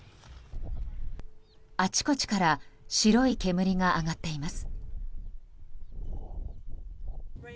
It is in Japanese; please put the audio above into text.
あちこちから白い煙が上がっています。